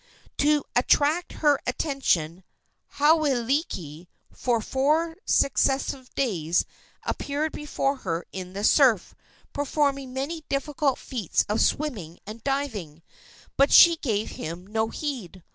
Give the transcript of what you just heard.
To attract her attention Hauailiki for four successive days appeared before her in the surf, performing many difficult feats of swimming and diving, but she gave him no heed.